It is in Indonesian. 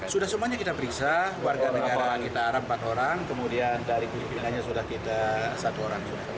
sudah semuanya kita periksa warga negara kita harap empat orang kemudian dari filipinanya sudah kita satu orang